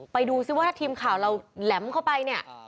ไปดูซิว่าถ้าทีมข่าวเราแหลมเข้าไปเนี่ย